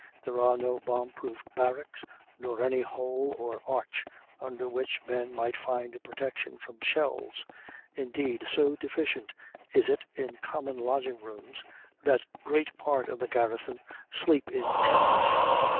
There are no bomb proof barracks, nor any hole or arch under which men might find protection from shells; indeed, so deficient is it in common lodging rooms, that great part of the garrison sleep in tents ...